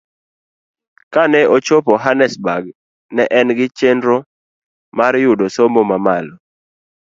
Kane ochopo Hannesburg, ne en gi chenro mar yudo somo mamalo.